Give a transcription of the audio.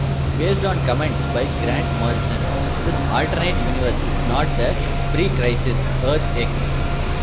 Based on comments by Grant Morrison, this alternate universe is not the pre-Crisis Earth-X.